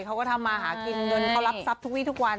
เขาก็ทำมาหากินเงินเขารับทรัพย์ทุกวีทุกวัน